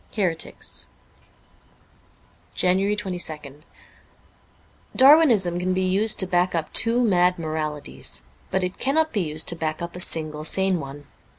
' Heretics* JANUARY 22nd DARWINISM can be used to back up two mad moralities, but it cannot be used to back up a single sane one.